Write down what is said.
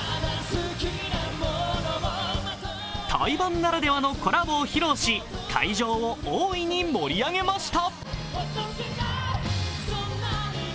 対バンならではのコラボを披露し、会場を大いに盛り上げました。